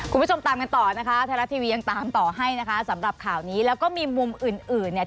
คุณผู้ชมตามกันต่อนะคะไทยรัฐทีวียังตามต่อให้นะคะสำหรับข่าวนี้แล้วก็มีมุมอื่นอื่นเนี่ย